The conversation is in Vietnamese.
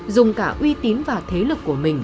dùng cả uy tín và thế lực của mình